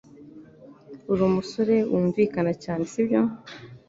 Urumusore wunvikana cyane, sibyo?